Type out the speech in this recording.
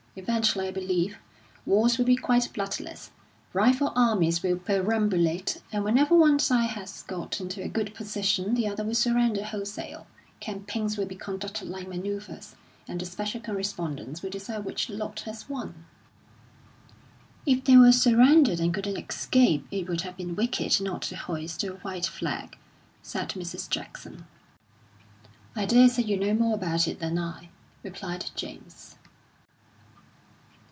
Eventually, I believe, wars will be quite bloodless; rival armies will perambulate, and whenever one side has got into a good position, the other will surrender wholesale. Campaigns will be conducted like manoeuvres, and the special correspondents will decide which lot has won." "If they were surrounded and couldn't escape, it would have been wicked not to hoist the white flag," said Mrs. Jackson. "I daresay you know more about it than I," replied James.